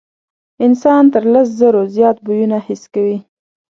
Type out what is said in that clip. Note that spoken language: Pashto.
انسان تر لس زرو زیات بویونه حس کوي.